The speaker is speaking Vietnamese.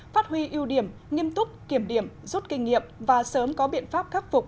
phát huy ưu điểm nghiêm túc kiểm điểm rút kinh nghiệm và sớm có biện pháp khắc phục